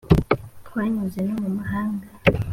twanyuze no mu mahanga